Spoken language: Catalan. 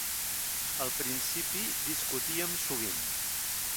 Al principi discutíem sovint.